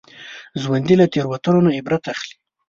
ژوندي له تېروتنو نه عبرت اخلي